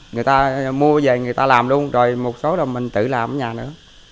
người ta mua về người ta làm luôn rồi một số rồi mình tự làm ở nhà nữa